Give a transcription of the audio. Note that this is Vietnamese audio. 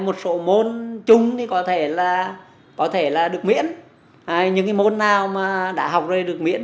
một số môn chung thì có thể là được miễn những môn nào mà đã học rồi thì được miễn